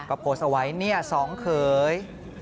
ก็โพสต์เอาไว้สองเขย